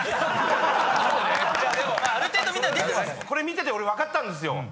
これ見てて俺分かったんですよ。